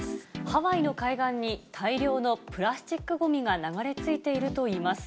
ハワイの海岸に大量のプラスチックごみが流れ着いているといいます。